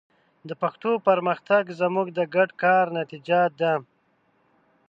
د پښتو پرمختګ زموږ د ګډ کار نتیجه ده.